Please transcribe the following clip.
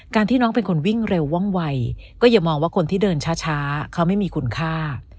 ที่น้องเป็นคนวิ่งเร็วว่องวัยก็อย่ามองว่าคนที่เดินช้าเขาไม่มีคุณค่า